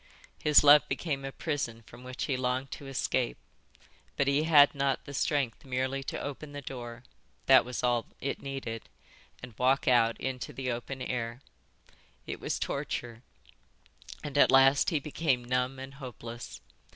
His love became a prison from which he longed to escape, but he had not the strength merely to open the door—that was all it needed—and walk out into the open air. It was torture and at last he became numb and hopeless.